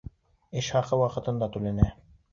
Эш хаҡы ваҡытында түләнә.